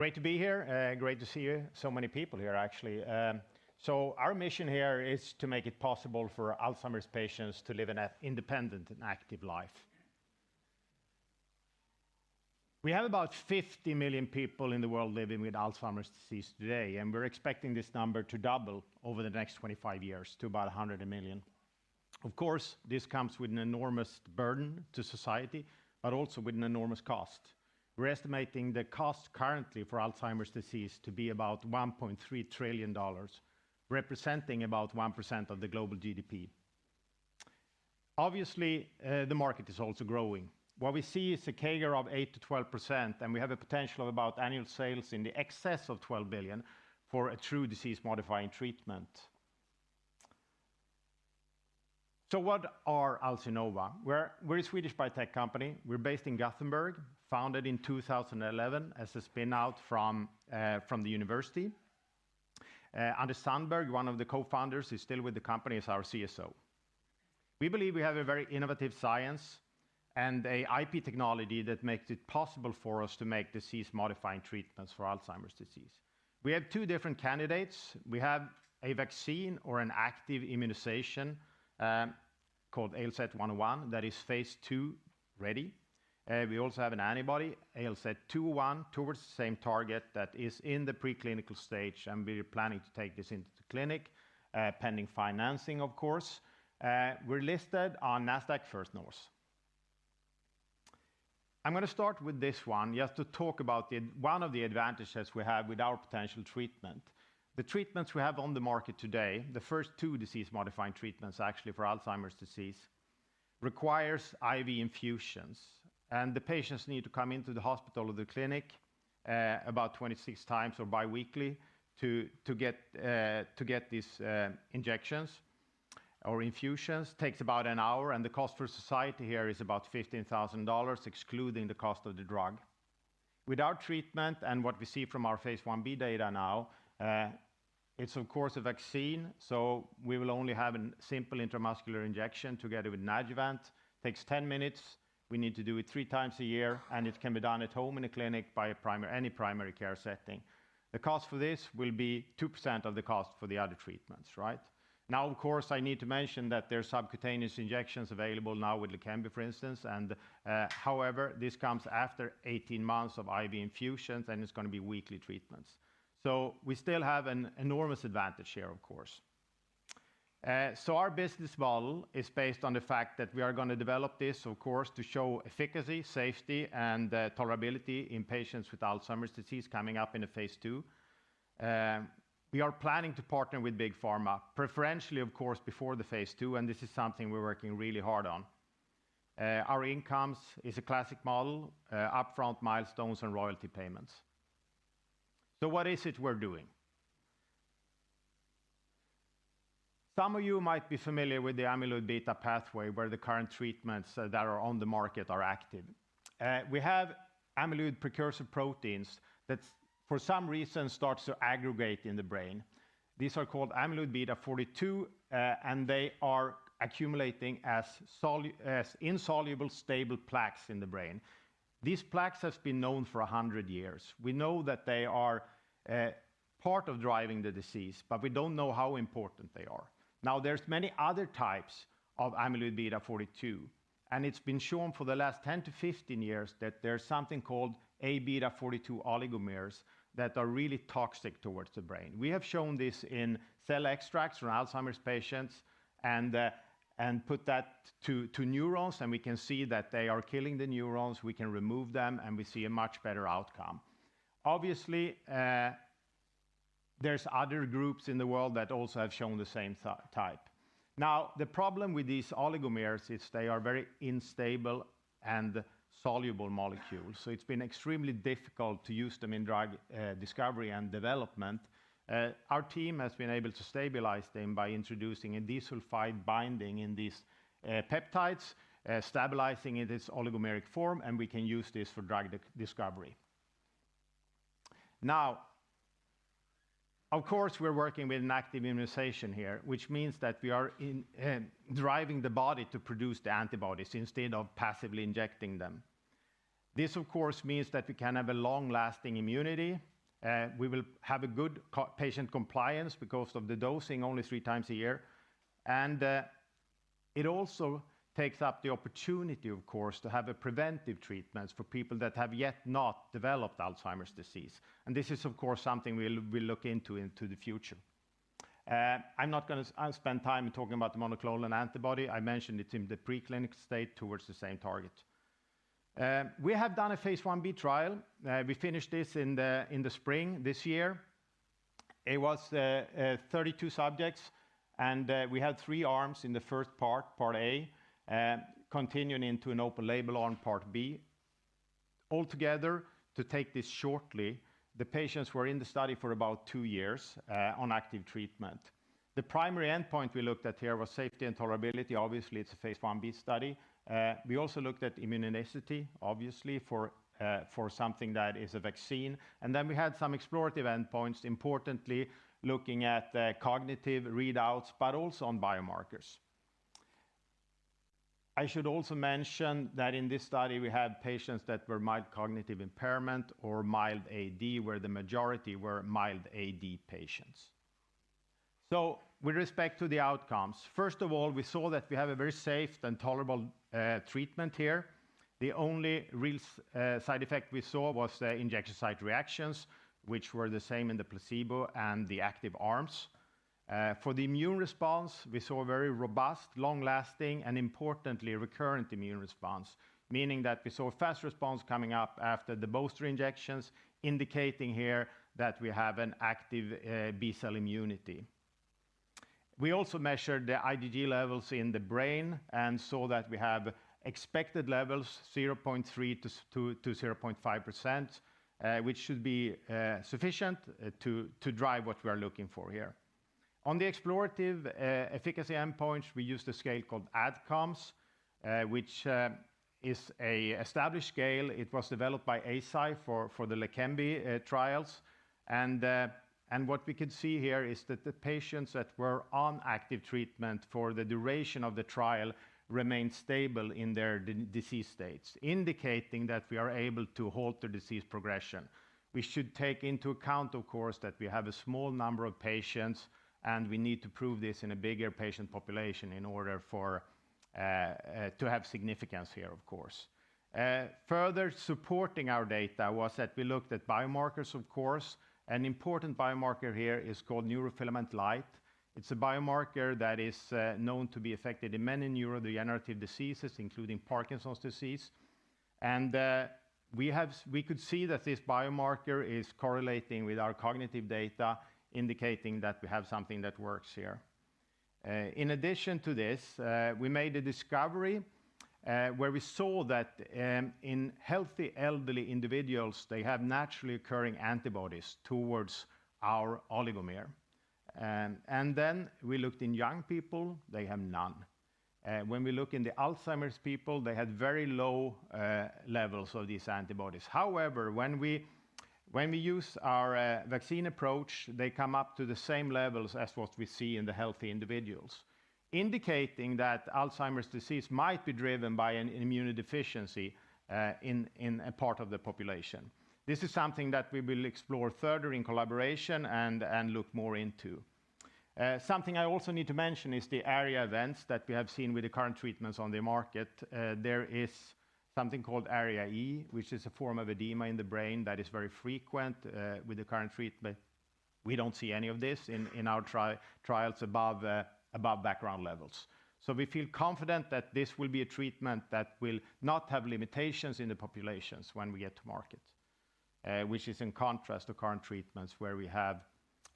Great to be here, and great to see you. So many people here, actually. So our mission here is to make it possible for Alzheimer's patients to live an independent and active life. We have about 50 million people in the world living with Alzheimer's disease today, and we're expecting this number to double over the next 25 years to about 100 million. Of course, this comes with an enormous burden to society, but also with an enormous cost. We're estimating the cost currently for Alzheimer's disease to be about $1.3 trillion, representing about 1% of the global GDP. Obviously, the market is also growing. What we see is a CAGR of 8%-12%, and we have a potential of about annual sales in the excess of $12 billion for a true disease-modifying treatment. So what are Alzinova? We're a Swedish biotech company. We're based in Gothenburg, founded in 2011 as a spinout from the university. Anders Sandberg, one of the co-founders, is still with the company as our CSO. We believe we have a very innovative science and an IP technology that makes it possible for us to make disease-modifying treatments for Alzheimer's disease. We have two different candidates. We have a vaccine or an active immunization called ALZ-101 that is Phase 2 ready. We also have an antibody, ALZ-201, towards the same target that is in the preclinical stage, and we're planning to take this into the clinic, pending financing, of course. We're listed on Nasdaq First North. I'm going to start with this one. Just to talk about one of the advantages we have with our potential treatment. The treatments we have on the market today, the first two disease-modifying treatments, actually, for Alzheimer's disease, require IV infusions, and the patients need to come into the hospital or the clinic about 26 times or biweekly to get these injections or infusions. It takes about an hour, and the cost for society here is about $15,000, excluding the cost of the drug. With our treatment and what we see from our Phase 1b data now, it's, of course, a vaccine, so we will only have a simple intramuscular injection together with an adjuvant. It takes 10 minutes. We need to do it three times a year, and it can be done at home in a clinic by any primary care setting. The cost for this will be 2% of the cost for the other treatments, right? Now, of course, I need to mention that there are subcutaneous injections available now with Leqembi, for instance, and however, this comes after 18 months of IV infusions, and it's going to be weekly treatments. So we still have an enormous advantage here, of course. So our business model is based on the fact that we are going to develop this, of course, to show efficacy, safety, and tolerability in patients with Alzheimer's disease coming up in a Phase 2. We are planning to partner with big pharma, preferentially, of course, before the Phase 2, and this is something we're working really hard on. Our income is a classic model: upfront milestones and royalty payments. So what is it we're doing? Some of you might be familiar with the amyloid beta pathway, where the current treatments that are on the market are active. We have amyloid precursor proteins that, for some reason, start to aggregate in the brain. These are called amyloid beta 42, and they are accumulating as insoluble stable plaques in the brain. These plaques have been known for 100 years. We know that they are part of driving the disease, but we don't know how important they are. Now, there are many other types of amyloid beta 42, and it's been shown for the last 10 to 15 years that there's something called A beta 42 oligomers that are really toxic towards the brain. We have shown this in cell extracts from Alzheimer's patients and put that to neurons, and we can see that they are killing the neurons. We can remove them, and we see a much better outcome. Obviously, there are other groups in the world that also have shown the same type. Now, the problem with these oligomers is they are very unstable and soluble molecules, so it's been extremely difficult to use them in drug discovery and development. Our team has been able to stabilize them by introducing a disulfide binding in these peptides, stabilizing it in its oligomeric form, and we can use this for drug discovery. Now, of course, we're working with an active immunization here, which means that we are driving the body to produce the antibodies instead of passively injecting them. This, of course, means that we can have a long-lasting immunity. We will have good patient compliance because of the dosing only three times a year, and it also takes up the opportunity, of course, to have preventive treatments for people that have yet not developed Alzheimer's disease, and this is, of course, something we'll look into the future. I'm not going to spend time talking about the monoclonal antibody. I mentioned it's in the preclinical state towards the same target. We have done a Phase 1b trial. We finished this in the spring this year. It was 32 subjects, and we had three arms in the first part, Part A, continuing into an open label on Part B. Altogether, to take this shortly, the patients were in the study for about two years on active treatment. The primary endpoint we looked at here was safety and tolerability. Obviously, it's a Phase 1b study. We also looked at immunogenicity, obviously, for something that is a vaccine. And then we had some explorative endpoints, importantly looking at cognitive readouts, but also on biomarkers. I should also mention that in this study, we had patients that were mild cognitive impairment or mild AD, where the majority were mild AD patients. So with respect to the outcomes, first of all, we saw that we have a very safe and tolerable treatment here. The only real side effect we saw was the injection site reactions, which were the same in the placebo and the active arms. For the immune response, we saw a very robust, long-lasting, and importantly recurrent immune response, meaning that we saw a fast response coming up after the booster injections, indicating here that we have an active B cell immunity. We also measured the IgG levels in the brain and saw that we have expected levels 0.3%-0.5%, which should be sufficient to drive what we are looking for here. On the explorative efficacy endpoints, we used a scale called ADCOMS, which is an established scale. It was developed by Eisai for the Leqembi trials, and what we could see here is that the patients that were on active treatment for the duration of the trial remained stable in their disease states, indicating that we are able to halt the disease progression. We should take into account, of course, that we have a small number of patients, and we need to prove this in a bigger patient population in order to have significance here, of course. Further supporting our data was that we looked at biomarkers, of course. An important biomarker here is called neurofilament light. It's a biomarker that is known to be affected in many neurodegenerative diseases, including Parkinson's disease. We could see that this biomarker is correlating with our cognitive data, indicating that we have something that works here. In addition to this, we made a discovery where we saw that in healthy elderly individuals, they have naturally occurring antibodies towards our oligomer. Then we looked in young people. They have none. When we look in the Alzheimer's people, they had very low levels of these antibodies. However, when we use our vaccine approach, they come up to the same levels as what we see in the healthy individuals, indicating that Alzheimer's disease might be driven by an immunodeficiency in a part of the population. This is something that we will explore further in collaboration and look more into. Something I also need to mention is the ARIA-E events that we have seen with the current treatments on the market. There is something called ARIA-E, which is a form of edema in the brain that is very frequent with the current treatment. We don't see any of this in our trials above background levels. So we feel confident that this will be a treatment that will not have limitations in the populations when we get to market, which is in contrast to current treatments where we have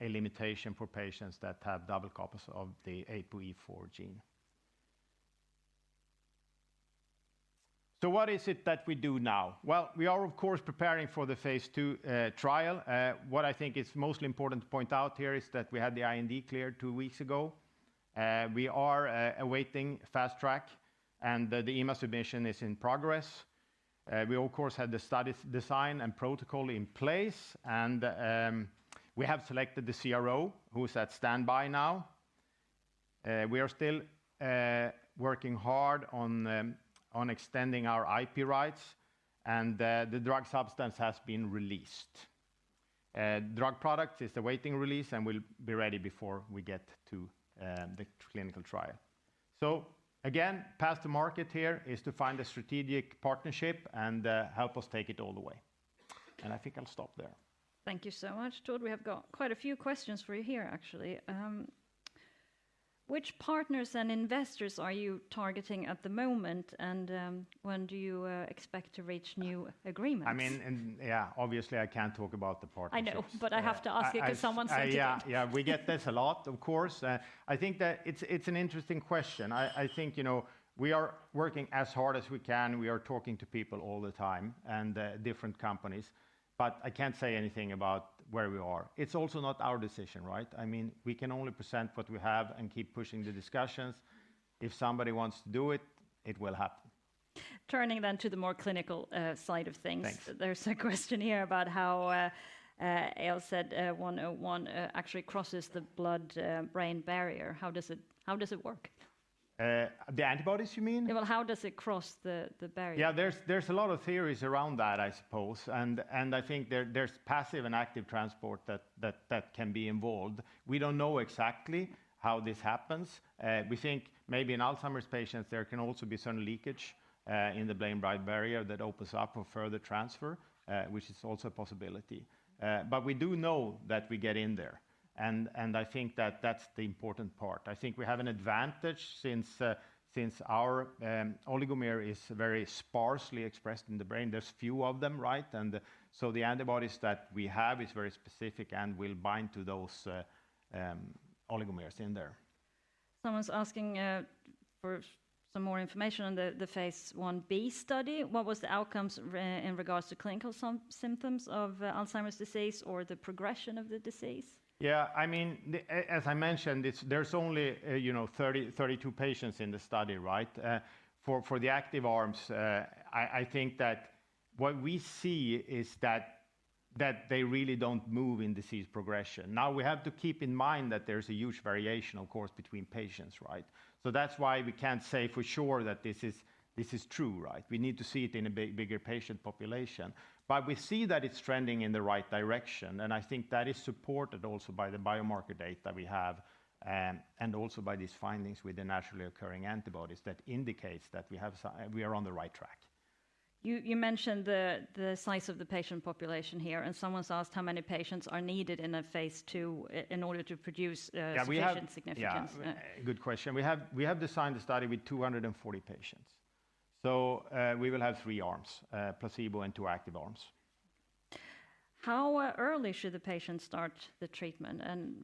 a limitation for patients that have double copies of the APOE4 gene. So what is it that we do now? Well, we are, of course, preparing for the Phase 2 trial. What I think is most important to point out here is that we had the IND cleared two weeks ago. We are awaiting Fast Track, and the EMA submission is in progress. We, of course, had the study design and protocol in place, and we have selected the CRO, who is on standby now. We are still working hard on extending our IP rights, and the drug substance has been released. Drug product is awaiting release and will be ready before we get to the clinical trial. So again, path to market here is to find a strategic partnership and help us take it all the way. And I think I'll stop there. Thank you so much, Tord. We have got quite a few questions for you here, actually. Which partners and investors are you targeting at the moment, and when do you expect to reach new agreements? I mean, yeah, obviously, I can't talk about the partners. I know, but I have to ask you because someone said to me. Yeah, yeah, we get this a lot, of course. I think that it's an interesting question. I think we are working as hard as we can. We are talking to people all the time and different companies, but I can't say anything about where we are. It's also not our decision, right? I mean, we can only present what we have and keep pushing the discussions. If somebody wants to do it, it will happen. Turning then to the more clinical side of things. Thanks. There's a question here about how ALZ-101 actually crosses the blood-brain barrier. How does it work? The antibodies, you mean? How does it cross the barrier? Yeah, there's a lot of theories around that, I suppose. And I think there's passive and active transport that can be involved. We don't know exactly how this happens. We think maybe in Alzheimer's patients, there can also be some leakage in the blood-brain barrier that opens up for further transfer, which is also a possibility. But we do know that we get in there, and I think that that's the important part. I think we have an advantage since our oligomer is very sparsely expressed in the brain. There's few of them, right? And so the antibodies that we have are very specific and will bind to those oligomers in there. Someone's asking for some more information on the Phase 1b study. What was the outcomes in regards to clinical symptoms of Alzheimer's disease or the progression of the disease? Yeah, I mean, as I mentioned, there's only 32 patients in the study, right? For the active arms, I think that what we see is that they really don't move in disease progression. Now, we have to keep in mind that there's a huge variation, of course, between patients, right? So that's why we can't say for sure that this is true, right? We need to see it in a bigger patient population. But we see that it's trending in the right direction, and I think that is supported also by the biomarker data we have and also by these findings with the naturally occurring antibodies that indicate that we are on the right track. You mentioned the size of the patient population here, and someone's asked how many patients are needed in a Phase 2 in order to produce significant significance. Good question. We have designed the study with 240 patients. So we will have three arms, placebo and two active arms. How early should the patients start the treatment, and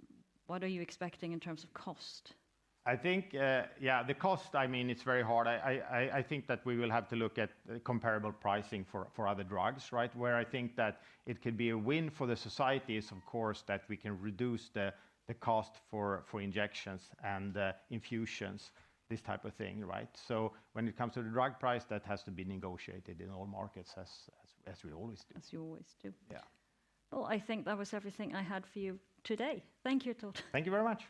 what are you expecting in terms of cost? I think, yeah, the cost, I mean, it's very hard. I think that we will have to look at comparable pricing for other drugs, right? Where I think that it could be a win for the society is, of course, that we can reduce the cost for injections and infusions, this type of thing, right? So when it comes to the drug price, that has to be negotiated in all markets as we always do. As you always do. Yeah. I think that was everything I had for you today. Thank you, Tord. Thank you very much.